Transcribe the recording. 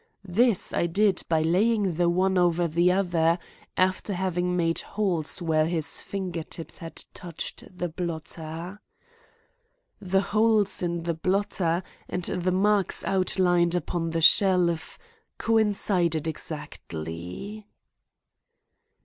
This I did by laying the one over the other, after having made holes where his finger tips had touched the blotter. The holes in the blotter and the marks outlined upon the shelf coincided exactly.